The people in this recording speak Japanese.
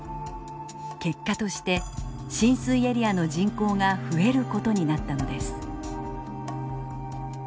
結果として浸水エリアの人口が増えることになったのです。